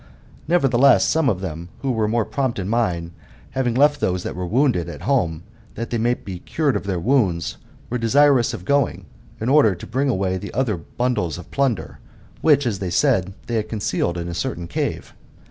Nevertheless, some of them who were more prompt in mind, having left those that were wounded at home, that they might be cured of their wounds^ . were desirous of going, in order to bring away the other bundles of plunder, which, as they said, they had concealed in a certain c^ve.